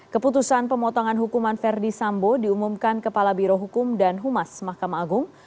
keputusan pemotongan hukuman verdi sambo diumumkan kepala birohukum dan humas mahkamah agung